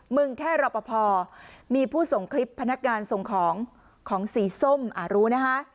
แค่รอปภมีผู้ส่งคลิปพนักงานส่งของของสีส้มรู้นะคะ